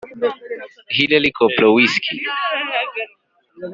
Hilary Koprowski